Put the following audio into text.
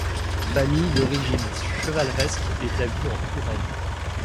Famille d'origine chevaleresque établie en Touraine.